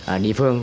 ở địa phương